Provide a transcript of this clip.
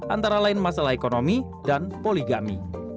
antara lain masalah ekonomi dan poligami